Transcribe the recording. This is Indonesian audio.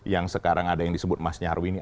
yang sekarang ada yang disebut mas nyarwi ini